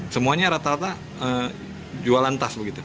semuanya rata rata jualan tas begitu